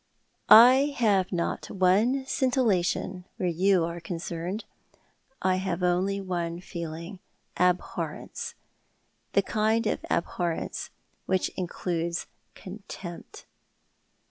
"I have not one scintillation, where you are concerned. I have only one feeling— abhorrence— the kind of abhorrence which includes contempt."'